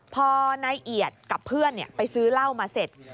พอนายเอียดกับเพื่อนไปซื้อเหล้ามาเสร็จ